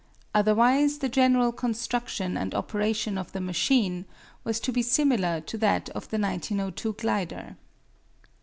Otherwise the general construction and operation of the machine was to be similar to that of the 1902 glider.